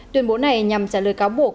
tuyên bố này nhằm trả lời cáo buộc